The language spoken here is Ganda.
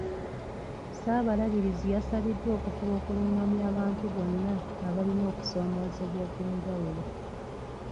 Ssaabalabirizi yasabiddwa okufuba okuluŋŋamya abantu bonna abalina okusoomoozebwa okw'enjawulo.